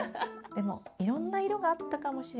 でもいろんな色があったかもしれないな。